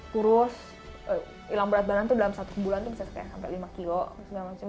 kurus ilang berat badan tuh dalam satu bulan tuh bisa sampai lima kg segala macem